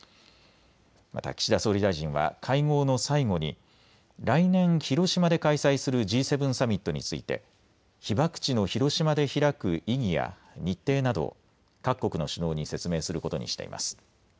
また岸田総理大臣は会合の最後に来年、広島で開催するＧ７サミットについて被爆地の広島で開く意義や日程などを各国の首脳に説明することにしています。